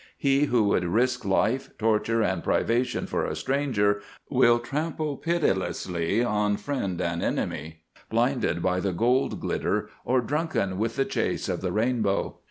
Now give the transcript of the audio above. He who would risk life, torture, and privation for a stranger will trample pitilessly on friend and enemy blinded by the gold glitter or drunken with the chase of the rainbow.